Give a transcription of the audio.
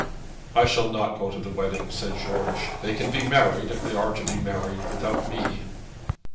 'I shall not go to the wedding,' said George. 'They can be married, if they are to be married, without me.'